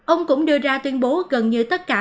ông cũng đưa ra tuyên bố gần như tất cả